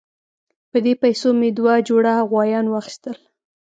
په دې پیسو مې دوه جوړه غویان واخیستل.